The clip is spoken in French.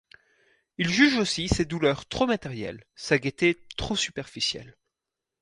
Il juge aussi ses douleurs trop matérielles, sa gaieté trop superficielle.